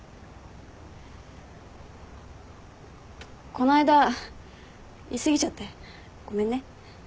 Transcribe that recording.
こないだ言い過ぎちゃってごめんね。